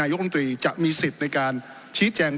กรรมตรีจะมีสิทธิ์ในการชี้แจง